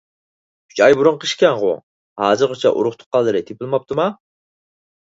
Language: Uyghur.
ئۈچ ئاي بۇرۇنقى ئىش ئىكەنغۇ؟ ھازىرغىچە ئۇرۇق تۇغقانلىرى تېپىلماپتىما؟